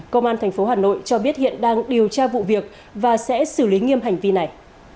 công an tp hà nội cho biết hiện đang điều tra vụ việc và sẽ xử lý nghiêm hành vi này